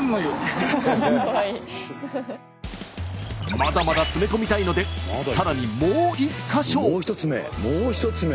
まだまだ詰め込みたいのでさらにもう一か所。